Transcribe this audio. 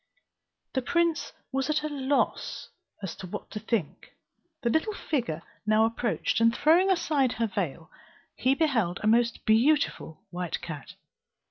The prince was at a loss what to think. The little figure now approached, and throwing aside her veil, he beheld a most beautiful white cat.